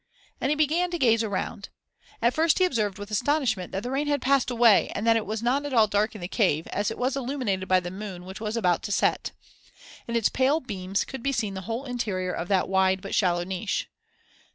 And he began to gaze around. At first he observed with astonishment that the rain had passed away and that it was not at all dark in the cave, as it was illuminated by the moon which was about to set. In its pale beams could be seen the whole interior of that wide but shallow niche.